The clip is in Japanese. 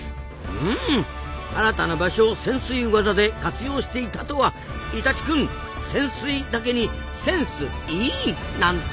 うん新たな場所を潜水ワザで活用していたとはイタチ君潜水だけにセンスいい！なんて。